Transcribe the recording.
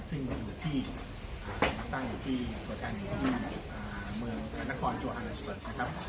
ซึ่งอยู่ที่ตั้งอยู่ที่โดยการหนึ่งที่นี่เมืองกรรณครโจฮานัสเบิร์ตนะครับ